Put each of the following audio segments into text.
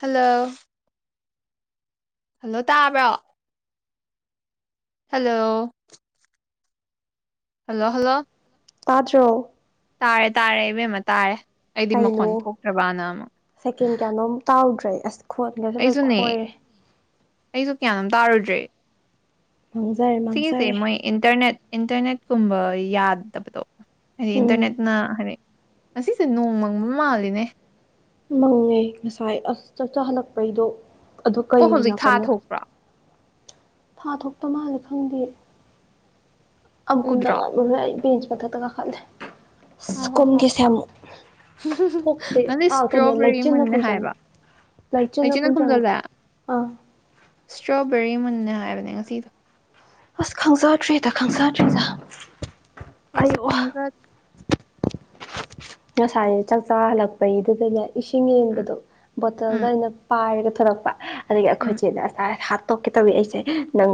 hello hello ꯇꯥꯕ꯭ꯔꯣ hello hello hello ꯑꯥꯗ꯭ꯔꯣ ꯇꯥꯔꯦ ꯇꯥꯔꯦ ꯏꯕꯦꯝꯃ ꯇꯥꯔꯦ ꯑꯩꯗꯤ ꯃꯈꯣꯟ ꯇꯥꯏꯩꯅꯣ ꯊꯣꯛꯇ꯭ꯔꯕꯅ ꯑꯃꯨꯛ ꯁꯦꯀꯦꯟ ꯀꯅꯣ ꯇꯥꯎꯗ꯭ꯔ ꯇꯩ ꯑꯁ ꯈꯣꯟꯒꯁꯨꯦ ꯂꯣꯏ ꯈꯣꯏꯔꯦ ꯀꯌꯥꯅ ꯇꯥꯔꯨꯗ꯭ꯔꯦ ꯃꯥꯡꯖꯔꯦ ꯊꯁꯦ ꯃꯥꯡꯖꯔꯦ ꯃꯣꯏ ꯏꯟꯇꯔꯅꯦꯠ ꯏꯟꯇꯔꯅꯦꯠ ꯀꯨꯝꯕ ꯌꯥꯗꯕꯗꯣ ꯍꯥꯏꯗꯤ ꯎꯝ ꯏꯟꯇꯔꯅꯦꯠꯅ ꯍꯥꯏꯗꯤ ꯑꯁꯤꯁꯦ ꯅꯣꯡꯃꯪꯕ ꯃꯥꯜꯂꯤꯅꯦ ꯃꯪꯉꯦ ꯉꯁꯥꯏ ꯑꯁ ꯆꯠ ꯆꯍꯜꯂꯛꯄꯩꯗꯣ ꯑꯗꯨ ꯑꯣ ꯀꯔꯤ ꯍꯧꯖꯤꯛ ꯊꯥ ꯅꯥꯀꯟꯅꯣ ꯊꯣꯛꯄ꯭ꯔꯣ ꯊꯥ ꯊꯣꯛꯇ ꯃꯥꯜꯂꯦ ꯈꯪꯗꯦ ꯑꯃꯨꯛ ꯀꯨꯝꯗꯪ ꯎꯗ꯭ꯔꯣ ꯉ ꯑꯩ ꯕꯤꯦꯟꯁ ꯃꯊꯛꯇ ꯀꯥꯈꯠꯂꯦ ꯑ ꯀꯨꯝꯈꯤꯁꯦ ꯑꯃꯨꯛ ꯊꯣꯛꯇꯦ ꯅꯪꯗꯤ ꯑꯥ ꯀꯩꯅꯣ ꯏꯁꯇ꯭ꯔꯣꯕꯦꯔꯤ ꯂꯩꯆꯤꯟꯅ ꯃꯨꯟꯅꯟꯅ ꯍꯥꯏꯕ ꯈꯨꯝꯖꯟꯈ꯭ꯔꯦ ꯂꯩꯆꯤꯟꯅ ꯑꯩꯆꯅ ꯈꯨꯝꯖꯟꯈ꯭ꯔꯦ ꯀꯨꯝꯖꯂ ꯑꯥ ꯁꯇ꯭ꯔꯣꯕꯦꯔꯤ ꯅꯦ ꯍꯥꯏꯕꯅꯦ ꯉꯁꯤꯗꯣ ꯑꯁ ꯈꯪꯖꯗ꯭ꯔꯤꯗ ꯈꯪꯖꯗ꯭ꯔꯤ ꯇ ꯑꯩꯁꯨ ꯐꯪꯗ꯭ꯔꯦ ꯉꯁꯥꯏ ꯆꯥꯛꯆꯥ ꯍꯜꯂꯛꯄꯒꯤꯗꯨꯩꯗꯒꯤ ꯏꯁꯤꯡ ꯎꯝ ꯌꯦꯟꯕꯗꯣ ꯎꯝ ꯕꯣꯇꯜꯗ ꯑꯩꯅ ꯄꯥꯏꯔꯒ ꯄꯨꯊꯣꯔꯛꯄ ꯑꯗꯒꯤ ꯎꯝ ꯑꯩꯈꯣꯏꯁꯦꯁ ꯇꯣꯛꯀꯦ ꯇꯧꯋꯤ ꯑꯩꯁꯦ ꯅꯪ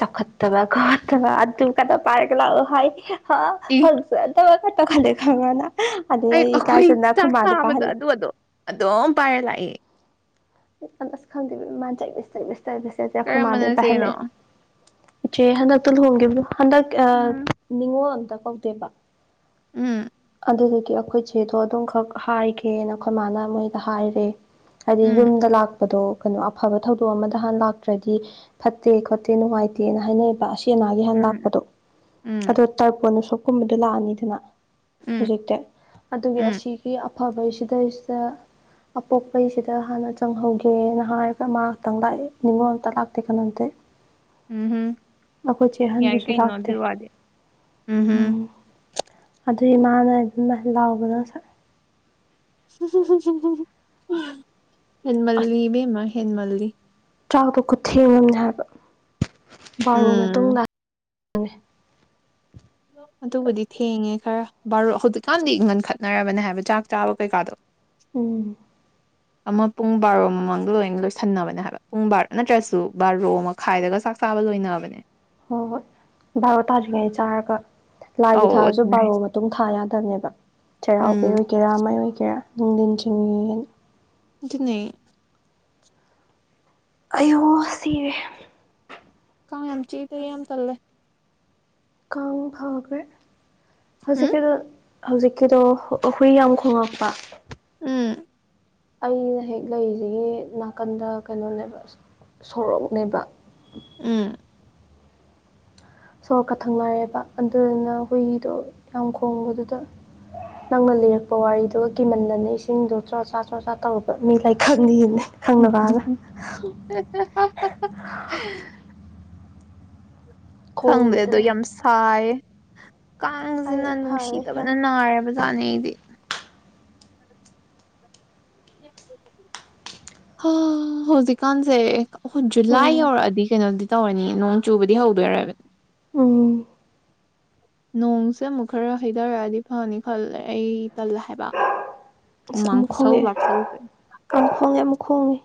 ꯆꯥꯎꯈꯠꯇꯕ ꯈꯣꯠꯇꯕ ꯑꯗꯨ ꯀꯩꯅ ꯄꯥꯏꯔꯒ ꯂꯥꯛꯑꯣ ꯍꯥꯏ ꯍ ꯏ ꯐꯜꯁꯗꯃ ꯀꯠꯇ ꯈ ꯈꯪꯉꯅ ꯑꯩ ꯑꯩꯈꯣꯏ ꯆꯥꯛ ꯆꯥꯕꯗꯣ ꯑꯗꯨ ꯑꯗꯣ ꯑꯗꯨꯝ ꯄꯥꯏꯔ ꯂꯥꯛꯏ ꯑꯁ ꯈꯪꯗꯦꯥꯟ ꯆꯁꯇꯕꯤꯁ ꯇꯔꯁꯁꯦ ꯑꯩꯈꯣꯏ ꯃꯥꯗ ꯀꯔꯝꯕꯅ ꯄꯥꯏꯍꯜꯂꯦ ꯆꯦꯅꯣ ꯏꯆꯦ ꯍꯟꯗꯛꯇꯨ ꯂꯨꯍꯣꯡꯈꯤꯕꯗꯨ ꯍꯟꯗꯛ ꯎꯝ ꯅꯤꯉꯣꯜ ꯑꯝꯇ ꯀꯧꯗꯦꯕ ꯎꯝ ꯑꯗꯨꯗꯒꯤ ꯑꯩꯈꯣꯏꯆꯦꯗꯣ ꯑꯗꯨꯝꯈꯛ ꯍꯥꯏꯒꯦꯅ ꯑꯩꯈꯣꯏ ꯃꯥꯅ ꯃꯣꯏꯗ ꯍꯥꯏꯔꯦ ꯍꯥꯏꯗꯤ ꯎꯝ ꯌꯨꯝꯗ ꯂꯥꯛ ꯗꯣ ꯀꯩꯅꯣ ꯑꯐꯕ ꯊꯧꯗꯣꯛ ꯑꯃꯗ ꯍꯥꯟ ꯂꯥꯛꯇ꯭ꯔꯗꯤ ꯐꯠꯇꯦ ꯈꯣꯠꯇꯦ ꯅꯨꯡꯉꯥꯏꯇꯦꯅ ꯍꯥꯏꯅꯩꯌꯦꯕ ꯑ ꯆꯦꯅꯥꯒꯤ ꯍꯥꯟꯅ ꯎꯝ ꯂꯥꯛꯄꯗꯣ ꯎꯝ ꯑꯗꯣ ꯇꯔꯄꯣꯟꯅ ꯁꯣꯞꯀꯨꯝꯕꯗꯣ ꯂꯥꯛꯑꯅꯤꯗꯅ ꯎꯝ ꯎꯝ ꯍꯧꯖꯤꯛꯇꯤ ꯑꯗꯨꯒꯤ ꯎꯝ ꯑꯁꯤꯒꯤ ꯑꯐꯕ ꯁꯤꯗꯩꯁꯤꯗ ꯑꯄꯣꯛꯄꯩꯁꯤꯗ ꯍꯥꯟꯅ ꯆꯪꯍꯧꯒꯦꯅ ꯍꯥꯏꯔꯒ ꯃꯥ ꯈꯇꯪ ꯂꯥꯛꯑꯦ ꯅꯤꯉꯣꯜ ꯑꯝꯇ ꯂꯥꯛꯇꯦ ꯀꯩꯅꯣꯝꯗꯤ ꯎꯝꯍꯨꯝ ꯑꯩꯈꯣꯏꯆꯦ ꯑꯍꯟꯗꯨꯁꯨ ꯂꯥꯛꯇꯦ ꯎꯝ ꯎꯝ ꯑꯗꯨꯒꯤ ꯃꯥꯅ ꯑꯗꯨꯝ ꯂꯥꯎꯕꯗ ꯁ ꯍꯃꯜꯂꯤ ꯦꯝꯃ ꯍꯃꯜꯂꯤ ꯆꯥꯛꯇꯨ ꯈꯨꯠꯊꯦꯝꯉꯝꯅꯦ ꯍꯥꯏꯕ ꯕꯥꯔꯨꯔꯕ ꯎꯝ ꯃꯇꯨꯡꯗ ꯑꯗꯨꯕꯨꯗꯤ ꯊꯦꯡꯉꯦ ꯈꯔ ꯕꯥꯔꯣ ꯍꯧꯖꯤꯛꯀꯥꯟꯗꯤ ꯏꯪꯈꯟ ꯈꯠꯅꯔꯕꯅꯦ ꯍꯥꯏꯕ ꯆꯥꯛ ꯆꯥꯕ ꯀꯩꯀꯥꯗꯣ ꯎꯝ ꯑꯃ ꯄꯨꯡ ꯕꯥꯔꯣ ꯃꯃꯥꯡꯗ ꯂꯣꯏꯅ ꯂꯣꯏꯁꯟꯅꯕꯅꯦ ꯍꯥꯏꯕ ꯄꯨꯡ ꯕꯥꯔꯣ ꯅꯠꯇ꯭ꯔꯁꯨ ꯕꯥꯔꯣ ꯑꯃꯥꯏꯗꯒ ꯆꯕ ꯂꯣꯏꯕꯅꯦ ꯍꯣꯏ ꯍꯣꯏ ꯚꯔꯣ ꯇꯥꯗ꯭ꯔꯤꯉꯩ ꯆꯥꯔꯒ ꯂꯥꯏꯒꯤ ꯑꯧ ꯊꯥꯕꯁꯨ ꯑꯗꯨꯅꯦ ꯕꯥꯔꯣ ꯍꯥꯏꯁꯦ ꯃꯇꯨꯡ ꯊꯥ ꯌꯥꯗꯕꯅꯦꯕ ꯆꯩꯔꯥꯎꯕ ꯎꯝ ꯑꯣꯏꯒꯦꯔꯥ ꯃꯩ ꯑꯣꯏꯒꯦꯔꯥ ꯗꯟꯇ꯭ꯔꯤꯦ ꯑꯗꯨꯅ ꯑꯌꯨ ꯁꯤꯔꯦ ꯀꯥꯏ ꯌꯥꯝ ꯆꯤꯇꯩꯔꯤꯃ ꯇꯂꯦ ꯀꯥꯡ ꯐꯈꯦ ꯎꯝ ꯍꯧꯖꯤꯛꯀꯤꯗ ꯍꯧꯖꯤꯛꯀꯤꯗꯣ ꯍꯨꯏ ꯌꯥꯝ ꯈꯣꯉꯛꯄ ꯎꯝ ꯑꯩꯅ ꯍꯦꯛ ꯂꯩꯔꯤꯁꯤꯒꯤ ꯅꯥꯀꯟꯗ ꯀꯩꯅꯣꯅꯦꯕ ꯁꯣꯔꯣꯛꯅꯦꯕ ꯎꯝ ꯁꯣꯔꯣꯛꯀ ꯊꯪꯅꯔꯑꯦꯕ ꯑꯗꯨꯗꯨꯅ ꯍꯨꯏꯗꯣ ꯌꯥꯝ ꯈꯣꯡꯕꯗꯨꯗ ꯅꯪꯅ ꯂꯤꯔꯛꯄ ꯋꯥꯔꯤꯗꯨꯒ ꯀꯤꯃꯟꯟꯅꯅꯦ ꯏꯁꯤꯡꯗꯣ ꯆ꯭ꯔꯣꯆꯥ ꯆ꯭ꯔꯣꯆꯥ ꯇꯧꯔꯨꯔꯕ ꯃꯤ ꯂꯥꯏꯀꯛꯅꯤꯅꯦ [unintelligible] ꯈꯪꯗꯦ ꯑꯗꯣ ꯈꯣꯡꯈꯤꯗ꯭ꯔꯦ ꯌꯥꯝ ꯁꯥꯏ ꯑꯩ ꯀꯥꯡꯁꯤꯅ ꯐꯔꯦ ꯅꯨꯡꯁꯤꯗꯕꯅ ꯈꯔ ꯅꯥꯔꯕꯖꯥꯠꯅꯤ ꯑꯩꯗꯤ ꯍꯧꯖꯤꯛꯀꯥꯟꯁꯦ ꯖꯨꯂꯥꯏ ꯎꯝ ꯌꯧꯔꯛꯑꯗꯤ ꯀꯩꯅꯣꯗꯤ ꯇꯧꯔꯅꯤ ꯅꯣꯡ ꯆꯨꯕꯗꯤ ꯍꯧꯗꯣꯏꯔꯣꯏꯕ ꯑ ꯅꯣꯡꯁꯦ ꯑꯃꯨꯛ ꯈꯔ ꯍꯩꯊꯔꯛꯑꯗꯤ ꯐꯅꯤ ꯈꯜꯂꯦ ꯑꯩ ꯇꯜꯂ ꯍꯥꯏꯕ ꯑꯁ ꯍꯨꯃꯥꯥꯡ ꯑꯃꯨꯛ ꯈꯨꯁꯧ ꯈꯣꯡꯉꯛꯑꯦ ꯂꯥꯛꯁꯧꯁ‌ꯦ ꯑꯃꯨꯛ ꯈꯣꯡꯉꯦ ꯑꯃꯨꯛ ꯈꯣꯡꯉꯦ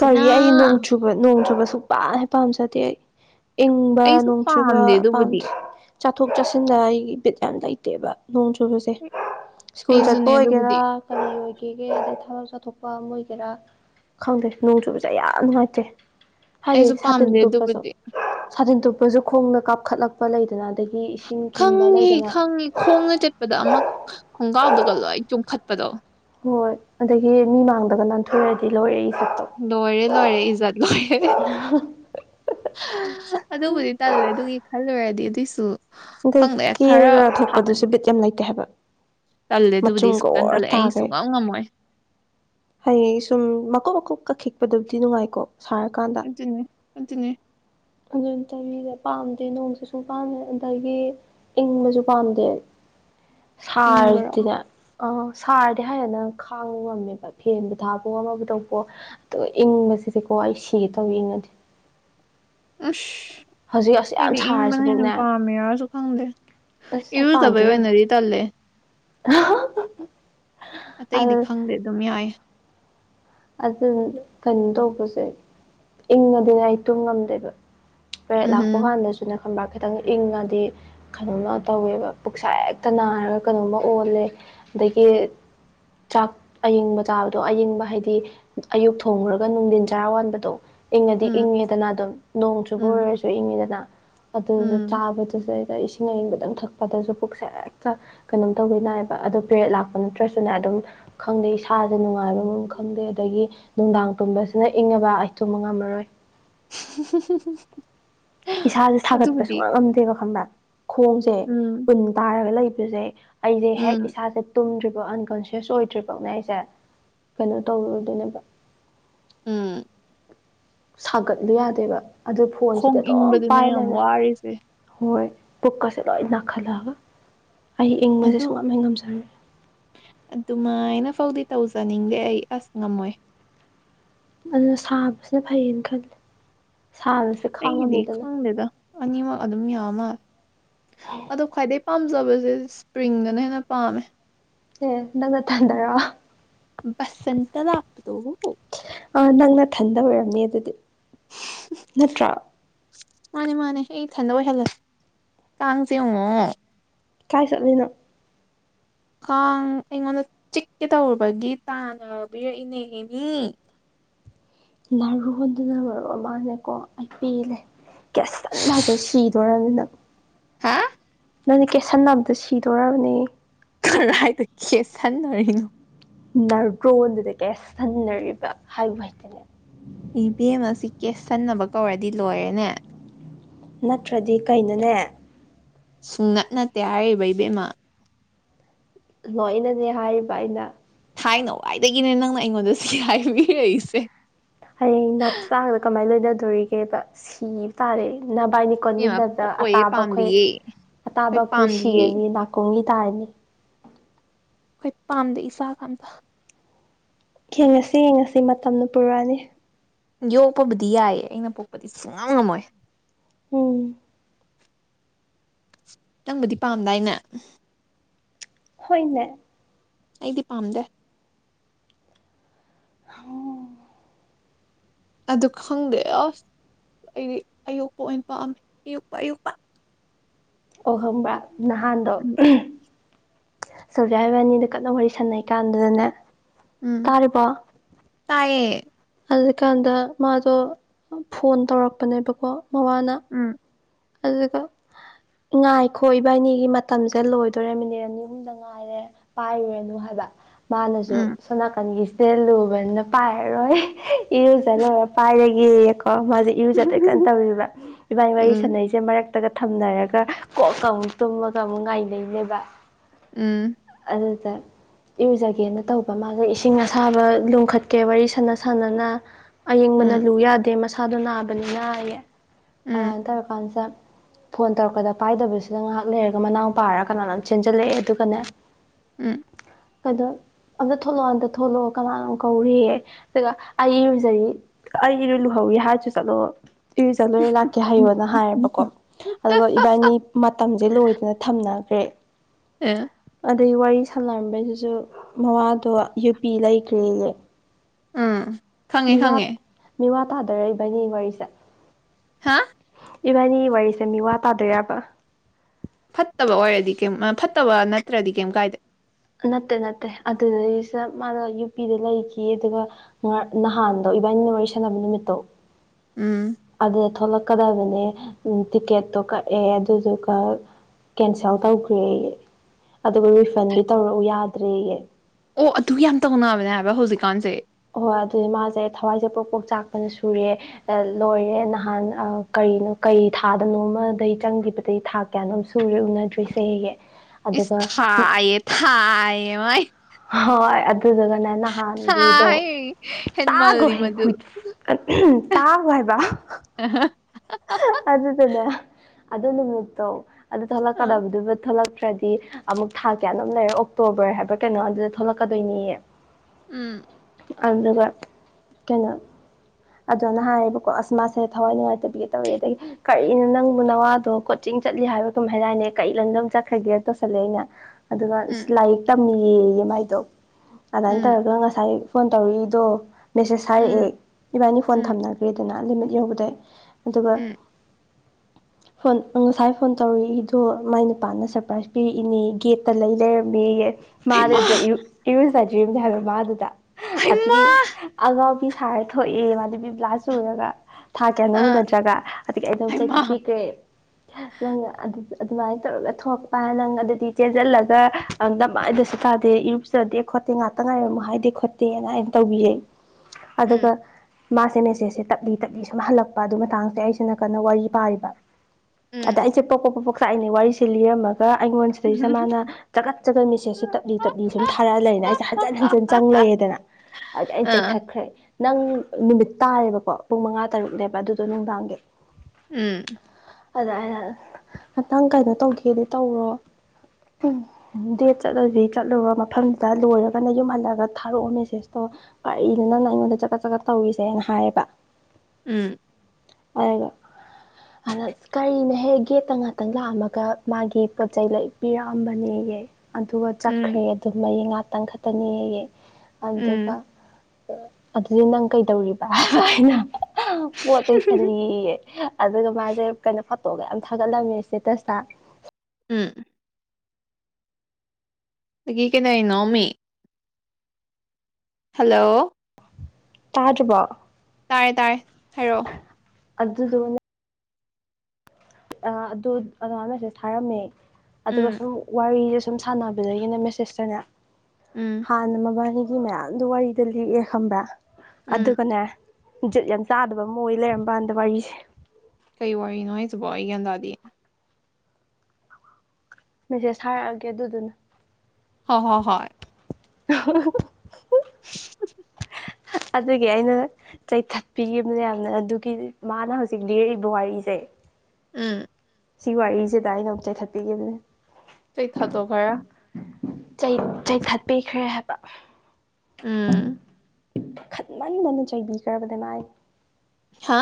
ꯀꯔꯤ ꯑꯩꯒꯤ ꯅꯣꯡ ꯆꯨꯕ ꯅꯣꯡ ꯆꯨꯕ ꯁꯨꯛꯄꯥꯝ ꯍꯦꯛ ꯄꯥꯝꯖꯗꯦ ꯑꯩ ꯏꯪꯕ ꯑꯩꯁꯨ ꯅꯣꯡꯆꯨꯕ ꯄꯥꯝꯗꯦ ꯑꯗꯨꯕꯨꯗꯤ ꯆꯥꯊꯣꯛ ꯆꯥꯁꯤꯟꯗ ꯑꯩꯒꯤ ꯕꯤꯠ ꯌꯥꯝ ꯂꯩꯇꯦꯕ ꯅꯣꯡ ꯆꯨꯕꯁꯦ ꯁ꯭ꯀꯨꯜ ꯆꯠꯄ ꯑꯩꯁꯨꯅꯦ ꯑꯣꯏꯒꯦꯔꯥ ꯑꯗꯨꯕꯨꯗꯤ ꯀꯔꯤ ꯑꯣꯏꯒ ꯀꯦ ꯀ ꯑꯗꯩ ꯊꯕꯛ ꯆꯠꯊꯣꯛꯄ ꯑꯃ ꯑꯣꯏꯒꯦꯔꯥ ꯈꯪꯗꯦ ꯅꯣꯡ ꯆꯨꯕꯁꯦ ꯌꯥꯝ ꯅꯨꯡꯉꯥꯏꯇꯦ ꯍꯥꯏꯗꯤ ꯑꯩꯁꯨ ꯁꯥꯇꯤꯟ ꯄꯥꯝꯗꯦ ꯇꯨꯞꯄꯁꯨ ꯑꯗꯨꯕꯨꯗꯤ ꯁꯥꯇꯤꯟ ꯇꯨꯞꯄꯁꯨ ꯈꯣꯡꯅ ꯀꯥꯞꯈꯠꯂꯛꯄ ꯂꯩ ꯈꯪꯉꯤ ꯈꯪꯉꯤ ꯈꯣꯡꯅ ꯆꯠꯄꯗ ꯑꯃꯛ ꯈꯣꯡꯒꯥꯎꯗ ꯂꯣꯏ ꯑꯩ ꯆꯨꯝꯈꯠꯄꯗꯣ ꯍꯣꯏ ꯑꯗꯒꯤ ꯃꯤ ꯃꯥꯡꯗꯒ ꯅꯥꯟꯊꯣꯔꯛꯑꯗꯤ ꯂ‌ꯣꯏꯔ‌ꯦ ꯑꯩꯗꯤ ꯂꯣꯏꯔꯦ ꯂꯣꯏꯔꯦ ꯏꯖꯠ ꯂ‌ꯣꯏꯔꯦ ꯑꯗꯨꯕꯨꯗꯤ ꯇꯜꯂꯦ ꯑꯗꯨꯒꯤ ꯈꯜꯂꯨꯔꯗꯤ ꯑꯗꯨꯏꯁꯨ ꯑꯗꯩ ꯈꯪꯗꯦ ꯈꯔ ꯀꯦꯔꯒ ꯁꯥꯃꯟ ꯊꯣꯛꯄꯗꯨꯁꯨ ꯕꯤꯠ ꯌꯥꯝ ꯂꯩꯇꯦ ꯍꯥꯏꯕ ꯇꯜꯂꯦ ꯑꯗꯨꯕꯨꯗꯤ ꯃꯆꯨꯝꯒ ꯁꯨꯛꯇꯪ ꯑꯣꯔ ꯇꯜꯂꯦ ꯑꯩ ꯇꯥꯈꯩ ꯁꯨꯡꯛꯉꯥꯎ ꯉꯝꯃꯣꯏ ꯍꯌꯦꯡ ꯁꯨꯝ ꯃꯀꯨꯞ ꯃꯀꯨꯞ ꯀꯛ ꯈꯤꯛꯄꯗꯕꯨꯗꯤ ꯅꯨꯡꯉꯥꯏꯀꯣ ꯁꯥꯔꯀꯥꯟꯗ ꯑꯗꯨꯅꯦ ꯑꯗꯨꯅꯦ ꯑꯗꯨ ꯆꯍꯤꯕꯤꯗ ꯄꯥꯝꯗꯦ ꯅꯣꯡꯁꯤꯁꯨ ꯄꯥꯝꯃꯦ ꯑꯗꯒꯤ ꯏꯡꯕꯁꯨ ꯄꯥꯝꯗꯦ ꯏꯪꯕꯔꯣ ꯁꯔꯗꯤꯅ‌ꯦ ꯁꯥꯔꯗꯤ ꯍꯥꯏꯌꯦꯅ ꯈꯥꯡꯕ ꯉꯝꯃꯦꯕ ꯐꯦꯟꯕꯨ ꯊꯥꯕꯣ ꯑꯃꯕꯨ ꯇꯧꯕꯣ ꯑꯗꯨꯒ ꯏꯪꯕ ꯁꯤ ꯀꯣꯏ ꯁꯤꯠꯇ ꯏ ꯑꯁ ꯍꯧꯖꯤꯛ ꯑꯁ ꯌꯥꯝ ꯑꯩꯗꯤ ꯏꯪꯕꯅꯅ ꯁꯥꯔꯁꯤꯐꯥꯎꯅꯦ ꯄꯥꯝꯃꯦ ꯌꯥꯔꯁꯨ ꯈꯪꯗꯦ ꯑꯁ ꯏꯔꯨꯖꯕꯩ ꯑꯣꯏꯅꯗꯤ ꯇꯜꯂꯦ ꯑ ꯑꯇꯩꯗꯤ ꯈꯪꯗꯦ ꯑꯗꯨꯝ ꯌꯥꯏ ꯑꯗꯨ ꯀꯩꯅꯣ ꯇꯧꯕꯁꯦ ꯏꯪꯉꯗꯤꯅꯦ ꯑꯩ ꯇꯨꯝꯉꯝꯗꯦꯕ ꯐꯦ ꯂꯥꯛꯄꯣ ꯎꯝꯍꯨꯝ ꯈꯟꯗꯁꯨꯅ ꯈꯝꯕꯥ ꯈꯤꯇꯪ ꯏꯪꯉꯗꯤ ꯀꯩꯅꯣꯝꯃ ꯇꯧꯋꯦꯕ ꯄꯨꯛꯁꯥꯏ ꯍꯦꯛꯇ ꯅꯥꯔꯒ ꯀꯩꯅꯣꯝꯃ ꯑꯣꯜꯂꯦ ꯑꯗꯒꯤ ꯆꯥꯛ ꯑꯌꯤꯡꯕ ꯆꯥꯕꯗꯣ ꯑꯌꯤꯡꯕ ꯍꯥꯏꯗꯤ ꯑꯌꯨꯛ ꯊꯣꯡꯉꯨꯔꯒ ꯅꯨꯡꯊꯤꯟ ꯆꯔꯥ ꯋꯥꯟꯕꯗꯣ ꯏꯪꯉꯗꯤ ꯎꯝ ꯏꯪꯉꯦꯗꯅ ꯑꯗꯨꯝ ꯅꯣꯡ ꯆꯨꯕ ꯎꯝ ꯑꯣꯏꯔꯁꯨ ꯏꯪꯉꯤꯗꯅ ꯑꯗꯨꯁꯨ ꯎꯝ ꯆꯥꯕꯗꯨꯁꯨ ꯑ ꯏꯁꯤꯡ ꯑꯏꯪꯕꯗ ꯑꯗꯨꯪ ꯊꯛꯄꯗꯁꯨ ꯄꯨꯛꯁꯦ ꯍꯦꯛꯇ ꯀꯩꯅꯣꯝ ꯇꯧꯒꯤ ꯅꯥꯏꯕ ꯑꯗꯣ ꯄꯦꯔꯦꯠ ꯂꯥꯛꯄ ꯅꯠꯇ꯭ꯔꯁꯨꯅꯦ ꯑ ꯈꯪꯗꯦ ꯏꯁꯥꯥꯁꯦ ꯅꯨꯡꯉꯥꯏꯕ ꯃꯔꯝ ꯈꯪꯗꯦ ꯑꯗꯒꯤ ꯅꯨꯡꯗꯥꯡ ꯄꯨꯝꯕꯁꯤꯅ ꯏꯪꯉꯕ ꯑꯩ ꯆꯨꯝꯕ ꯉꯝꯃꯔꯣꯏ [unintelligible] ꯏꯁꯥꯁꯦ ꯁꯥꯒꯠꯄ ꯁꯨꯡ ꯑꯗꯨꯕꯨꯗꯤ ꯉꯝ ꯉꯝꯗꯦꯕ ꯈꯪꯕ꯭ꯔꯥ ꯈꯣꯡꯁꯦ ꯎꯝ ꯎꯟ ꯇꯥꯔꯒ ꯂꯩꯕꯁꯦ ꯑꯩꯁꯦ ꯍꯦꯛ ꯎꯝ ꯏꯁꯥꯁꯦ ꯇꯨꯝꯗ꯭ꯔꯤꯕ ꯑꯟꯀꯟꯁꯤꯌꯁ ꯑꯣꯏꯗ꯭ꯔꯤꯄꯥꯎꯕ ꯑꯩꯁꯦ ꯀꯩꯅꯣ ꯇꯧꯔꯨꯗꯣꯏꯅꯦꯕ ꯎꯝ ꯁꯥꯒꯠꯂꯨ ꯌꯥꯗꯦꯕ ꯑꯗꯨ ꯐꯣꯟꯁꯤꯗꯤ ꯈꯣꯡ ꯑꯗꯨꯝ ꯏꯪꯕꯗꯨꯅꯦ ꯄꯥꯏ ꯌꯥꯝ ꯂꯩꯅꯦ ꯋꯥꯔꯤꯁꯦ ꯍꯣꯏ ꯄꯨꯀꯥ ꯁꯤ ꯂꯣ ꯏꯅꯥ ꯈꯂꯕ ꯑꯩ ꯏꯪꯕꯁꯦ ꯑꯗꯨ ꯁꯨꯡꯂꯞꯅ ꯉꯝꯖꯔꯦ ꯑꯗꯨꯃꯥꯏꯅ ꯐꯥꯎꯗꯤ ꯇꯧꯖꯅꯤꯡꯗꯦ ꯑꯩ ꯑꯁ ꯉꯝꯃꯣꯏ ꯑꯗꯨꯅ ꯁꯥꯕꯁꯤꯅ ꯐꯩꯌꯦꯅ ꯈꯜꯂꯦ ꯁꯥꯕꯁꯦ ꯑꯩꯒꯤꯗꯤ ꯈꯥꯡꯉꯝꯃꯤꯗꯅ ꯈꯪꯗꯦꯗ ꯑꯅꯤꯃꯛ ꯑꯗꯨꯝ ꯌꯥꯝ ꯃꯥꯜꯂꯦ ꯑꯗꯣ ꯈ꯭ꯋꯥꯏꯗꯩ ꯄꯥꯝꯖꯕꯁꯦ ꯏꯁꯄ꯭ꯔꯤꯡꯗꯅ ꯍꯦꯟꯅ ꯄꯥꯝꯃꯦ ꯑꯦ ꯅꯪꯠꯇꯗꯔꯣ ꯁꯟꯇꯗꯞ ꯇꯣ ꯑ ꯅꯪ ꯅꯊꯟꯗ ꯑꯣꯏꯔꯝꯅꯤ ꯑꯗꯨꯗꯤ ꯅꯠꯇ꯭ꯔꯥ ꯃꯥꯅꯦ ꯃꯥꯅꯦ ꯑꯩ ꯏ ꯊꯟꯗ ꯑꯣꯏꯍꯜꯂꯦ ꯀꯥꯡꯁꯦ ꯌꯦꯡꯉꯣ ꯀꯥꯏ ꯆꯠꯂꯤꯅꯣ ꯀꯥꯡ ꯑꯩꯉꯣꯟꯗ ꯆꯤꯛꯀꯦ ꯇꯔꯨꯕꯒꯤ ꯇꯥꯟꯅꯕꯤꯔꯛꯏꯅꯦꯅꯤ ꯂꯔꯨ ꯍꯟꯗꯅꯣ ꯃꯥꯥꯅꯦꯀꯣ ꯑ ꯄꯦ ꯀꯦꯁꯤꯇꯟ ꯍꯥꯏꯛꯇ ꯁꯤꯗꯣꯔꯅꯤꯅ ꯍꯥ ꯅꯪꯗꯤ ꯀꯦꯁꯟꯅ ꯑ ꯑꯃꯇ ꯁꯤꯗꯣꯔꯔꯕꯅꯦ ꯔꯥꯏꯗ ꯀꯦ ꯁꯅꯔꯤꯅꯣ ꯅꯔꯗ꯭ꯔꯣꯟꯗꯨꯗ ꯀꯌꯥ ꯁꯟꯅꯔꯤꯕ ꯍꯥꯏꯕꯨ ꯍꯩꯇꯅꯦ ꯏ ꯚꯤ ꯑꯦꯝ ꯑꯁꯤ ꯀꯦꯁ ꯁꯟꯅꯕ ꯀꯧꯔꯗꯤ ꯂꯣꯏꯔꯦꯅꯦ ꯅꯠꯇ꯭ꯔꯗꯤ ꯀꯩꯅꯣꯅꯦ ꯁꯨꯡꯅꯠ ꯅꯠꯇꯦ ꯍꯥꯏꯔꯤꯕ ꯏꯕꯦꯝꯃꯥ ꯅꯣꯏ ꯑꯩꯅꯅꯦ ꯍꯥꯏꯔꯤꯕ ꯑꯩꯅ ꯊꯥꯏꯅ ꯋꯥꯏꯗꯒꯤꯅꯦ ꯅꯪꯅ ꯑꯩꯉꯣꯟꯗ ꯁꯤ ꯍꯥꯏꯕꯤꯔꯛꯏꯁꯦ ꯍꯌꯦꯡ ꯅꯠ ꯆꯥꯕꯗ ꯀꯃꯥꯏꯅ ꯂꯣꯏꯅꯗꯣꯔꯤꯒꯦꯕ ꯁꯤꯕ ꯇꯥꯔ ꯅꯕꯥꯏꯅꯤ ꯏꯕꯦꯝꯃ ꯀꯣꯟꯕꯤꯗꯗ ꯄꯣꯛꯑꯣꯏꯌꯦ ꯑꯇꯥꯕ ꯑꯩꯈꯣꯏ ꯄꯥꯝꯗꯤꯌꯦ ꯑꯇꯥꯕ ꯑꯩꯈꯣꯏ ꯄꯥꯝꯗꯤꯌꯦ ꯁꯤꯔꯅꯤ ꯅꯥꯀꯣꯡꯒꯤ ꯇꯥꯅꯤ ꯑꯩꯈꯣꯏ ꯄꯥꯝꯗꯦ ꯏꯁꯆꯥ ꯀꯝꯇ ꯌꯦꯡꯉꯁꯤ ꯌꯦꯡꯉꯁꯤ ꯃꯇꯝꯅ ꯄꯨꯔꯛꯑꯅꯤ ꯌꯣꯛꯄꯕꯨꯗꯤ ꯌꯥꯏꯌꯦ ꯑꯩꯅ ꯄꯣꯛꯄꯗꯤ ꯁꯉꯝ ꯉꯝꯃꯣꯏ ꯎꯝ ꯅꯪꯕꯨꯗꯤ ꯄꯥꯝꯗꯥꯏꯅꯦ ꯍꯅꯦ ꯑꯩꯗꯤ ꯄꯥꯝꯗꯦ ꯑꯣ ꯑꯗꯨ ꯈꯪꯗꯦꯁ ꯑꯩꯗꯤ ꯑꯌꯣꯛꯄ ꯑꯣꯏꯅ ꯄꯥꯝꯃꯦ ꯑꯌꯣꯛꯄ ꯑꯌꯛꯄ ꯑꯣꯍꯕ ꯅꯍꯥꯟꯗꯣ ꯎꯝ ꯁꯣꯚꯤꯌꯥ ꯍꯥꯏꯕꯥꯅꯤꯗ ꯀꯟꯅ ꯋꯥꯔꯤ ꯁꯥꯟꯅꯩ ꯀꯥꯟꯗꯨꯗꯅꯦ ꯎꯝ ꯇꯥꯔꯤꯕꯣ ꯇꯌꯦ ꯑꯗꯨꯀꯥꯟꯗ ꯃꯥꯗꯣ ꯐꯣꯟ ꯇꯧꯔꯛꯄꯅꯦꯕꯀꯣ ꯃꯋꯥꯅ ꯎꯝ ꯑꯗꯨꯒ ꯉꯥꯏ ꯈꯣꯏꯕ ꯑꯅꯤꯒꯤ ꯃꯇꯝꯁꯦ ꯂꯣꯏꯗꯣꯏꯔꯦ ꯃꯤꯅꯤꯠ ꯑꯅꯤ ꯑꯍꯨꯝꯗ ꯉꯥꯏꯔꯦ ꯄꯥꯏꯔꯨꯔꯅꯨ ꯍꯥꯏꯕ ꯃꯥꯅꯁꯨ ꯎꯝ ꯁꯣ ꯅꯥꯀꯟꯒꯤ ꯁꯦꯜꯂꯨꯕꯅꯤꯅ ꯄꯥꯏꯔꯔꯣꯏ ꯏꯔꯨꯖ ꯂꯣꯏꯔ ꯄꯥꯏꯔꯒ ꯌꯦꯑꯀꯣ ꯃꯥꯁꯦ ꯏꯨꯖꯠꯇ꯭ꯔꯦ ꯀꯩꯅꯣ ꯇꯧꯕ ꯏꯕꯥꯅꯤ ꯋꯥꯔꯤ ꯎꯝ ꯁꯥꯟꯅꯩꯁꯦ ꯃꯔꯛꯇꯒ ꯊꯝꯅꯔꯒ ꯀꯣꯛꯑꯀ ꯑꯃꯨꯛ ꯇꯨꯝꯃꯒ ꯑꯃꯨꯛ ꯉꯥꯏꯅꯩꯅꯦꯕ ꯎꯝ ꯑꯗꯨꯗ ꯏꯨꯖꯒꯦꯅ ꯇꯧꯕ ꯃꯥꯒ ꯏꯁꯤꯡ ꯑꯁꯥꯕ ꯂꯨꯝꯈꯠꯀꯦ ꯋꯥꯔꯤ ꯁꯥꯟꯅ ꯁꯥꯟꯅꯅ ꯑꯌꯡꯕꯅ ꯎꯝ ꯂꯨ ꯌꯥꯗꯦ ꯃꯁꯥꯗꯣ ꯅꯥꯕꯅꯤꯅ ꯑꯗꯨꯃꯥꯏ ꯎꯝ ꯇꯧꯔꯀꯥꯟꯗ ꯐꯣꯟ ꯇꯧꯔꯛꯄꯗ ꯄꯥꯏꯗꯕꯁꯤꯗ ꯉꯥꯏꯍꯥꯛ ꯂꯩꯔꯒ ꯃꯅꯥꯎ ꯄꯥꯔꯒ ꯀꯅꯥꯅꯝ ꯆꯦꯟꯖꯜꯂꯛꯑꯦ ꯑꯗꯨꯒꯅꯦ ꯎꯝ ꯀꯗꯣ ꯑꯝꯇ ꯊꯣꯛꯂꯛꯑꯣ ꯑꯝꯇ ꯊꯣꯛꯂꯛꯑꯣ ꯀꯅꯥꯅꯣ ꯀꯧꯔꯤꯦ ꯑꯗꯨꯒ ꯑꯩ ꯏꯔꯨꯖꯔꯤ ꯑꯩ ꯏꯔꯨ ꯂꯨꯍꯧ ꯑꯣ ꯌꯥ ꯍꯥꯏꯥꯁꯨ ꯆꯠꯂꯣ ꯏꯔꯤꯖ ꯂꯣꯏꯔ ꯂꯥꯛꯀꯦ ꯍꯥꯏꯌꯣꯅ ꯍꯥꯏꯌꯦꯕꯀꯣ ꯑꯗꯨꯒ ꯏꯕꯥꯅꯤ ꯃꯇꯝꯁꯦ ꯂꯣꯏꯗꯅ ꯊꯝ ꯑꯗꯨꯦ ꯎꯝ ꯑꯗꯩ ꯋꯥꯔꯤ ꯁꯥꯟꯅꯔꯝꯕꯁꯤꯁꯨ ꯃꯃꯥꯗꯣ ꯌꯨꯄꯤ ꯂꯩꯈ꯭ꯔꯤꯅꯦ ꯑꯝ ꯃꯤꯋꯥ ꯃꯤꯋꯥ ꯇꯥꯗꯔꯛꯏꯕꯅꯤ ꯋꯥꯔꯤꯁꯦ ꯍꯥ ꯏꯕꯥꯅꯤ ꯋꯥꯔꯤꯁꯦ ꯃꯤ ꯋꯥ ꯇꯥꯗꯣꯏ ꯌꯥꯔꯕ ꯐꯠꯇꯕ ꯑꯣꯏꯔꯗꯤ ꯀꯩ ꯐꯠꯇꯕ ꯅꯠꯇ꯭ꯔꯗꯤ ꯀꯩꯝ ꯀꯥꯏꯗꯦ ꯅꯠꯇꯦ ꯅꯠꯇꯦ ꯑꯗꯨꯗꯩꯁꯤꯗ ꯃꯥꯅ ꯌꯨ ꯄꯗ ꯂꯩꯈꯤ ꯑꯗꯨꯒ ꯉ ꯅꯍꯥꯟꯗꯣ ꯏꯕꯥꯏꯅꯤꯅ ꯋꯥꯔꯤ ꯁꯥꯟꯅꯕ ꯅꯨꯃꯤꯠꯇꯣ [inaudible] [unintelligible] ꯑꯗꯨꯗ ꯊꯣꯛꯂꯛꯀꯗꯕꯅꯦ ꯇꯤꯀꯦꯠꯇꯣ ꯀꯛꯑꯦ ꯑꯗꯨꯗꯨꯒ ꯀꯦꯟꯁꯦꯜ ꯇꯧꯈ꯭ꯔꯦ ꯑꯩꯌꯦ ꯑꯗꯨꯒ ꯔꯤꯐꯟꯗꯤ ꯇꯧꯔꯛꯎ ꯌꯥꯗ꯭ꯔꯦꯌꯦꯦ ꯑꯣ ꯑꯗꯨ ꯌꯥꯝ ꯇꯧꯅꯕꯅꯦ ꯍꯥꯏꯕ ꯍꯧꯖꯤꯛꯀꯥꯟꯁꯦ ꯍꯣꯏ ꯑꯗꯨꯗꯤ ꯃꯥꯁꯦ ꯊꯋꯥꯏꯁꯦ ꯄꯣꯛ ꯄꯣꯛ ꯆꯥꯛꯄꯅ ꯁꯨꯔꯦ ꯂꯣꯏꯔꯦ ꯅꯍꯥꯟ ꯀꯩꯅꯣ ꯀꯩ ꯊꯥꯗꯅꯣꯃꯗꯩ ꯆꯪꯈꯤꯕꯗꯩ ꯊꯥ ꯀꯌꯥꯅꯣꯝ ꯁꯨꯔꯦ ꯎꯅꯗ꯭ꯔꯤꯁꯦ ꯍꯦꯒꯦ ꯏ ꯊꯑ ꯊꯑ ꯃꯥꯏ ꯍꯣꯏ ꯑꯗꯨꯗꯨꯒꯅꯦ ꯅꯍꯥꯟꯒꯤꯗꯣ ꯊꯥꯏ ꯍꯦꯟꯃꯜꯂꯤ ꯇꯥꯛꯒꯍꯦ ꯃꯗꯨ ꯍꯨꯏ ꯇꯥꯛ ꯀꯍꯦꯕ ꯑꯗꯨꯗꯨꯅꯦ ꯑꯗꯨ ꯅꯨꯃꯤꯠꯇꯣ ꯑꯗꯨ ꯎꯝ ꯊꯣꯛꯂꯛꯀꯗꯕꯗꯨꯛ ꯅꯠꯇ꯭ꯔꯗꯤ ꯑꯃꯨꯛ ꯊꯥ ꯀꯌꯥ ꯑꯗꯨꯝ ꯂꯩꯔꯦ ꯑꯣꯛꯇꯣꯕꯔ ꯍꯥꯏꯕ ꯀꯩꯅꯣ ꯑꯗꯨꯗ ꯊꯣꯛꯂꯛꯀꯗꯣꯏꯅꯤꯑ ꯎꯝ ꯑꯕ ꯀꯩꯅꯣ ꯑꯗꯨꯅ ꯍꯥꯏꯌꯦꯕꯀꯣ ꯑꯁ ꯃꯥꯁꯦ ꯊꯋꯥꯏ ꯅꯨꯡꯉꯥꯏꯇꯕꯤꯒꯦ ꯇꯧꯋ ꯑꯗꯒꯤ ꯀꯔꯤꯅꯣ ꯅꯪꯕꯨ ꯅꯋꯥꯗꯣ ꯀꯣꯆꯤꯡ ꯆꯠꯂꯤ ꯍꯥꯏꯕ ꯑꯗꯨꯝ ꯍꯥꯏꯔꯅꯦ ꯀꯔꯤ ꯂꯝꯪꯗ ꯑꯗꯨꯝ ꯆꯠꯈ꯭ꯔꯒꯦꯅ ꯇꯧꯁꯜꯂꯦ ꯑꯩꯅ ꯑꯗꯨꯒ ꯑ ꯎꯝ ꯂꯥꯏꯔꯤꯛ ꯇꯝꯃꯤꯌꯦꯌꯦ ꯃꯥꯏꯗꯣ ꯑꯗꯨꯃꯥꯏꯅ ꯎꯝ ꯇꯧꯔꯒ ꯉꯁꯥꯏ ꯐꯣꯟ ꯇꯧꯔꯛꯏꯗꯣ ꯃꯦꯁꯦꯁ ꯍꯥꯏꯔꯛꯑꯦ ꯏꯕꯥꯅꯤ ꯐꯣꯟ ꯎꯝ ꯊꯝꯅꯈ꯭ꯔꯦꯗꯅ ꯂꯤꯃꯤꯠ ꯌꯧꯕꯗ ꯑꯗꯨꯒ ꯎꯝ [inaudible] [unintelligible] ꯐꯣꯟ ꯉꯁꯥꯏ ꯐꯣꯟ ꯇꯧꯔꯛꯏꯗꯣ ꯃꯥꯏ ꯅꯨꯄꯥꯅ ꯁꯔꯄ꯭ꯔꯥꯏꯖ ꯄꯤꯔꯛꯏꯅꯦ ꯒꯦꯠꯇ ꯂꯩ ꯂꯩꯔꯝꯃꯦ ꯍꯩꯃꯥ ꯃꯥꯗꯨꯗ ꯏꯔꯨ ꯆꯖꯔꯤꯕꯅꯦ ꯍꯥꯏꯕ ꯃꯥꯗꯨꯗ ꯍꯩꯃꯥ ꯑꯗꯨꯗꯒꯤ ꯑꯉꯥꯎꯕꯤ ꯁꯥꯔ ꯊꯣꯛꯑꯦ ꯃꯥꯗꯨꯕꯤ ꯕ꯭ꯂꯥꯁ ꯁꯔꯒ ꯊꯥꯀꯦꯅ ꯑ ꯅꯠꯇ꯭ꯔꯒ ꯑꯗꯒꯤ ꯑꯩ ꯑꯗꯨꯝ ꯍꯩꯃꯥ ꯆꯩꯊꯠꯄꯤꯈ꯭ꯔꯦ ꯅꯪꯅ ꯑꯗꯨꯃꯥꯏꯅ ꯇꯧꯔꯒ ꯊꯣꯛꯛꯄ ꯅꯪ ꯑꯗꯨꯗꯤ ꯆꯦꯟꯁꯤꯜꯂꯒ ꯅꯃꯥꯏꯗꯁꯨ ꯇꯥꯗꯦ ꯏꯔꯨꯞꯖꯗꯦ ꯐꯠꯇꯦ ꯉꯥꯛꯇ ꯉꯥꯏꯔꯝꯃꯨ ꯍꯥꯏꯗꯦ ꯈꯣꯠꯇꯦꯅ ꯑꯅ ꯇꯧꯕꯤꯌꯦꯦ ꯎꯝ ꯑꯗꯨꯒ ꯃꯥꯁꯦ ꯃꯦꯁꯦꯁꯁꯦ ꯇꯞꯂꯤ ꯇꯞꯂꯤ ꯁꯨꯝ ꯍꯜꯂꯛꯄ ꯑꯗꯨ ꯃꯇꯥꯡꯁꯦ ꯑꯩꯁꯤꯅ ꯀꯟꯅ ꯋꯥꯔꯤ ꯄꯥꯔꯤꯕ ꯑꯗ ꯎꯝ ꯑꯩꯁꯦ ꯄꯣꯛꯀꯣꯛ ꯄꯄꯣꯛꯁꯥꯛꯏꯅꯦ ꯋꯥꯔꯤꯁꯦ ꯂꯤꯔꯝꯃꯒ ꯈ ꯑꯩꯉꯣꯟꯁꯤꯗꯩꯁꯤꯗ ꯃꯥꯅ ꯆꯒꯠ ꯆꯒꯠ ꯃꯦꯁꯦꯖꯁꯁꯤꯦ ꯇꯞꯂꯤ ꯇꯞꯂꯤ ꯁꯨꯝ ꯊꯥꯔꯛꯑ ꯂꯩꯔꯅ ꯑꯩꯁꯦ ꯍꯟꯖꯤꯟ ꯍꯟꯖꯤꯟ ꯆꯪꯂ ꯂꯩꯌꯦꯗꯅ ꯑꯗꯨꯗꯤ ꯑꯩꯅ ꯆ ꯑ ꯆꯩꯊꯈ꯭ꯔꯦ ꯅꯪ ꯅꯨꯃꯤꯠ ꯇꯥꯔꯦꯕꯀꯣ ꯄꯨꯡ ꯃꯉꯥ ꯇꯔꯨꯛꯅꯦꯕ ꯑꯗꯨꯗꯣ ꯅꯨꯡꯗꯥꯡꯒꯤ ꯎꯝ ꯑꯗ ꯑꯩꯅ ꯉꯇꯪ ꯀꯩꯅꯣ ꯇꯧꯒꯦꯗꯤ ꯇꯧꯔꯣ ꯎꯝ ꯗꯦꯠ ꯆꯠꯂꯁꯤ ꯆꯠꯂꯨꯔ ꯃꯐꯝꯗꯨꯗ ꯂꯣꯏꯔꯒꯅ ꯌꯨꯝꯍꯜꯂꯒ ꯊꯥꯔꯛꯑꯣ ꯃꯦꯁꯦꯁ ꯇꯧ ꯄꯥꯏꯅꯤ ꯅꯪꯅ ꯑꯩꯉꯣꯟꯗ ꯆꯀꯠ ꯆꯀꯠ ꯇꯧꯔꯤꯁꯦꯅ ꯍꯥꯏꯌꯦꯕ ꯎꯝ ꯑꯒ ꯑꯗ ꯀꯔꯤꯅꯍꯦꯛ ꯒꯦꯠꯇ ꯉꯥꯛꯇꯪ ꯂꯥꯛꯑꯝꯃꯒ ꯃꯥꯒꯤ ꯄꯣꯠꯆꯩ ꯂ ꯄꯤꯔꯛꯑꯝꯕꯅꯦꯍꯦ ꯑꯗꯨꯒ ꯎꯝ ꯆꯠꯈ꯭ꯔꯦ ꯑꯗꯨꯝ ꯃꯌꯦ ꯉꯥꯛꯇꯪ ꯈꯛꯇꯅꯤ ꯑꯗꯨꯒ ꯎꯝ ꯑꯗꯨꯗꯤ ꯅꯪ ꯀꯩꯗꯧꯔꯤꯕ ꯑꯩꯅ ꯄꯣꯠ ꯇꯁꯜꯂꯤ ꯑꯗꯨꯒ ꯃꯥꯁꯦ ꯀꯩꯅꯣ ꯐꯣꯇꯣꯒ ꯌꯥꯝ ꯊꯥꯒꯠꯂꯝꯃꯦ ꯏꯁꯇꯦꯇꯁꯇ ꯎꯝ ꯗꯒꯤ ꯀꯅꯥ ꯏꯅꯃꯤ ꯍꯜꯂꯣ ꯇꯥꯖꯕ ꯇꯥꯏ ꯇꯥꯏ ꯍꯥꯏꯔꯛꯑꯣ ꯑꯗꯨ ꯊ ꯑ ꯑꯗꯨ ꯑꯗꯨꯃꯥꯏꯅ ꯃꯦꯁꯦꯁ ꯊꯥꯔꯝꯃꯦ ꯑꯗꯨꯒ ꯎꯝ ꯁꯨꯝ ꯋꯥꯔꯤꯁꯦ ꯁꯨꯝ ꯁꯥꯟꯅꯕꯗꯒꯤꯅꯦ ꯃꯦꯁꯦꯁꯇꯅꯦ ꯎꯝ ꯍꯥꯟꯅ ꯃꯕꯥ ꯃꯌꯥꯝꯗꯣ ꯋꯥꯔꯤꯗ ꯂꯤꯛꯑꯦ ꯈꯪꯕ꯭ꯔ ꯎꯝ ꯑꯗꯨꯒꯅꯦ ꯠ ꯌꯥꯝ ꯆꯥꯗꯕ ꯑꯃ ꯑꯣꯏ ꯂꯩꯔꯝꯕꯥꯟꯗ ꯋꯥꯔꯤꯁꯦ ꯀꯩ ꯋꯥꯔꯤꯅꯣ ꯆꯕꯒꯗꯥꯗꯤ ꯃꯦꯁꯦꯁ ꯊꯔꯛꯑꯒꯦ ꯑꯗꯨꯗꯨꯅ ꯍ ꯍꯣ ꯍꯣꯏ [inaudible] [inaudible] ꯑꯗꯨꯒꯤ ꯑꯩꯅ ꯆꯩꯊꯛꯄꯤꯈꯤꯕꯅꯦ ꯌꯥꯝꯅ ꯑꯗꯨꯒꯤ ꯃꯥꯅ ꯍꯧꯖꯤꯛ ꯂꯤꯔꯛꯏꯕ ꯋꯥꯔꯤꯁꯦ ꯇ ꯎꯝ ꯁꯤ ꯋꯥꯔꯤꯁꯤꯗ ꯑꯩꯅ ꯑꯃꯨꯛ ꯆꯥꯏꯈꯠꯄꯤꯈꯤꯕꯅꯦ ꯀꯩ ꯊꯗ ꯈꯔ ꯆꯩ ꯆꯩ ꯊꯠꯄꯤꯈ꯭ꯔꯦ ꯍꯥꯏꯕ ꯎꯝ ꯈꯟꯃꯟꯗꯅ ꯆꯩꯕꯤꯈ꯭ꯔꯕꯅꯦ ꯃꯥꯥꯏ ꯍꯥ